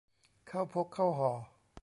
เข้าพกเข้าห่อ